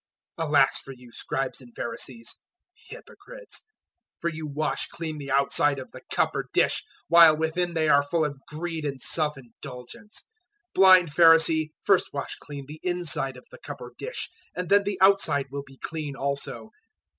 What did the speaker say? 023:025 "Alas for you, Scribes and Pharisees, hypocrites, for you wash clean the outside of the cup or dish, while within they are full of greed and self indulgence. 023:026 Blind Pharisee, first wash clean the inside of the cup or dish, and then the outside will be clean also.